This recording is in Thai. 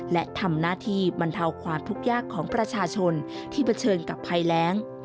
และทำหน้าที่บรรเทาความทุกข์ยากของประชาชนที่เผชิญกับภัยแรง